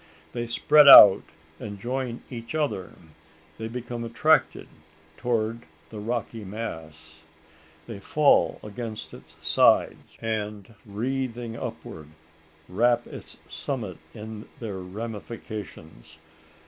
They spread out and join each other they become attracted towards the rocky mass they fall against its sides, and wreathing upward, wrap its summit in their ramifications.